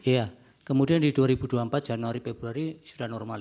iya kemudian di dua ribu dua puluh empat januari februari sudah normal